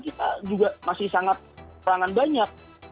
kita juga masih sangat perangan banyak